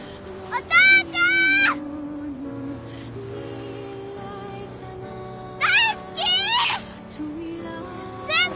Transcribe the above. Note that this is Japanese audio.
お父ちゃん！